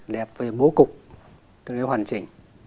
đẹp về bố cục hoàn chỉnh